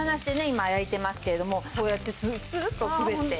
今焼いてますけれどもこうやってスルッと滑って。